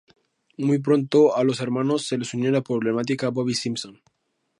Muy pronto a los hermanos se les unió la problemática Bobby Simpson.